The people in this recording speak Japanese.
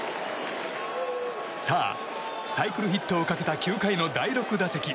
さあ、サイクルヒットをかけた９回の第６打席。